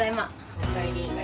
・おかえり。